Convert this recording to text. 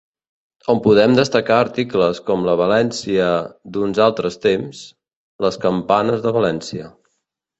On podem destacar articles com La València d'uns altres temps: les campanes de València.